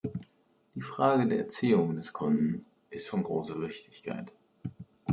Die Frage der Erziehung des Kunden ist von großer Wichtigkeit.